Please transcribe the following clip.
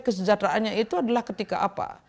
kesejahteraannya itu adalah ketika apa